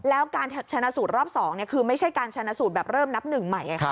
แล้วการชนะสูตรรอบ๒คือไม่ใช่การชนะสูตรแบบเริ่มนับหนึ่งใหม่